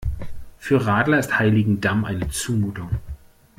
Für Radler ist Heiligendamm eine Zumutung.